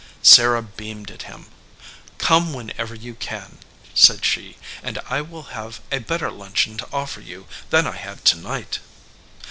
Sarah beamed at him. "Come whenever you can," said she, "and I will have a better luncheon to offer you than I had to night."